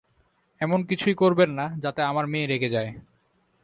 এমন কিছুই করবেন না, যাতে আমার মেয়ে রেগে যায়।